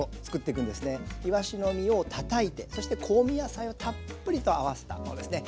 いわしの身をたたいてそして香味野菜をたっぷりと合わせたこれですね。